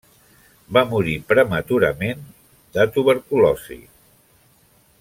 Va morir prematurament de tuberculosi.